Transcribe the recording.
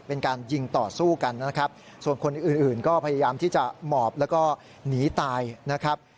เป็นการยิงต่อสู้กันนะครับส่วนคนอื่นอื่นก็พยายามที่จะหมอบแล้วก็หนีตายนะครับ